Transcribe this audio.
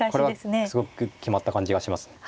これはすごく決まった感じがします。